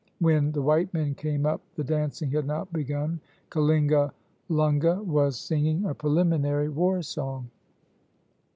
When the white men came up the dancing had not begun. Kalingalunga was singing a preliminary war song.